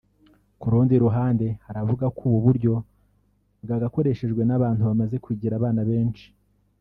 Ku rundi ruhande hari abavuga ko ubu buryo bwagakoreshejwe n’abantu bamaze kugira abana benshi